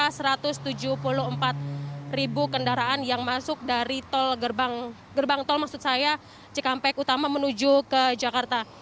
ini akan ada lebih dari dua ratus enam puluh kendaraan yang masuk dari gerbang tol cikampek utama menuju ke jakarta